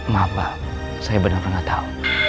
ma ma saya benar benar nggak tahu